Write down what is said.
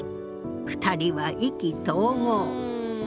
２人は意気投合！